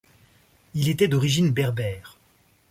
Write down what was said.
Il était d'origine berbère.